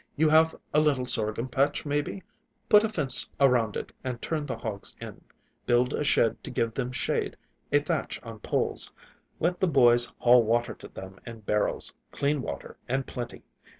You have a little sorghum patch, maybe? Put a fence around it, and turn the hogs in. Build a shed to give them shade, a thatch on poles. Let the boys haul water to them in barrels, clean water, and plenty.